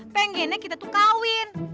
pengennya kita tuh kawin